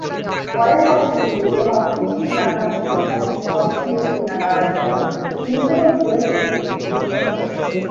পরের বছরগুলিতে, রক্ষণশীল গ্রামবাসীদের তাকে শর্টস এ দেখতে না দেওয়ার জন্য তিনি কেবল ভোরের দিকে প্রশিক্ষণ নিতেন।